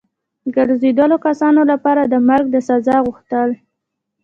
ګرځېدلو کسانو لپاره د مرګ د سزا غوښتل.